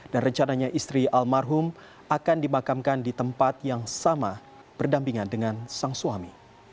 dan rencananya istri almarhum akan dimakamkan di tempat yang sama berdampingan dengan sang suami